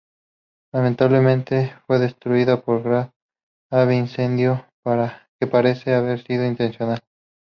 Lamentablemente, fue destruida por grave incendio que parece haber sido intencional.